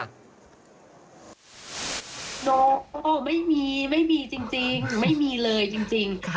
น้องก็ไม่มีไม่มีจริงไม่มีเลยจริง